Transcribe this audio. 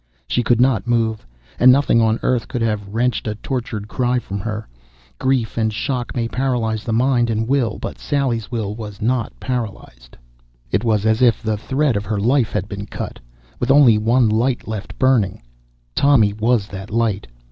She could not move. And nothing on Earth could have wrenched a tortured cry from her. Grief and shock may paralyze the mind and will, but Sally's will was not paralyzed. It was as if the thread of her life had been cut, with only one light left burning. Tommy was that light.